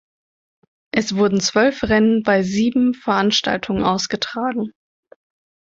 Es wurden zwölf Rennen bei sieben Veranstaltungen ausgetragen.